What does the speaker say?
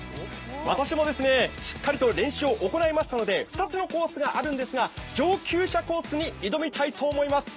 私もしっかりと練習を追いましたので２つのコースがあるんですが、上級者コースに挑みたいと思います。